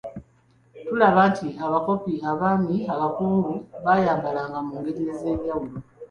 Tulaba nti, abakopi, abaami, abakungu, bayambalanga mungeri ezenjawulo.